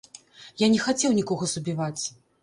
Я не хацеў нікога забіваць.